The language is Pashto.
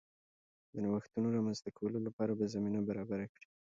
د نوښتونو رامنځته کولو لپاره به زمینه برابره کړي